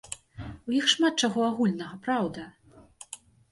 У іх шмат чаго агульнага, праўда.